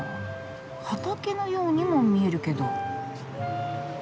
畑のようにも見えるけど。